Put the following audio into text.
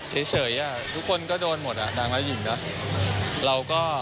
เท่เฉยทุกคนก็โดนหมดอ่ะดังแล้วยิ่งนะ